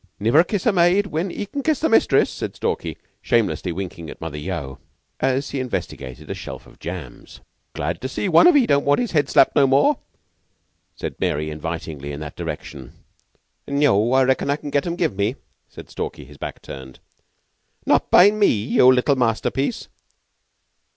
"Niver kiss the maid when 'e can kiss the mistress," said Stalky, shamelessly winking at Mother Yeo, as he investigated a shelf of jams. "Glad to see one of 'ee don't want his head slapped no more?" said Mary invitingly, in that direction. "Neu! Reckon I can get 'em give me," said Stalky, his back turned. "Not by me yeou little masterpiece!"